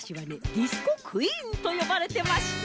ディスコクイーンとよばれてました！